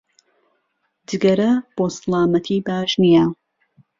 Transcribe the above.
جگەرە بۆ سڵامەتی باش نییە